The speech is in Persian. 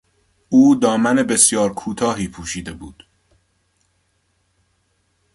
او دامن بسیار کوتاهی پوشیده بود.